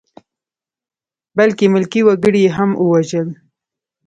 بلکې ملکي وګړي یې هم ووژل.